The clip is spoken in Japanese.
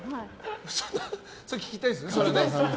それ聞きたいんですよね。